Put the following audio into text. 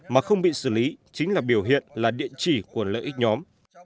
mà không bị xử lý chính là biểu hiện là địa chỉ của lợi ích nhóm